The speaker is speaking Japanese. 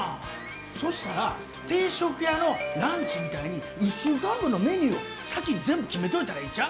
そしたら、定食屋のランチみたいに、１週間分のメニューを先に全部決めといたらいいんちゃう？